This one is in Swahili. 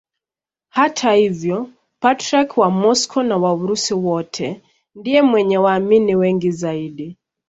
Hata hivyo Patriarki wa Moscow na wa Urusi wote ndiye mwenye waamini wengi zaidi.